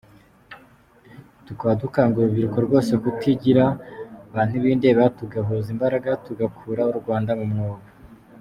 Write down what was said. Tukaba dukangurira urubyiruko rwose kutigira ba ntibindeba tugahuza imbaraga tugakura u Rwanda mu mwobo.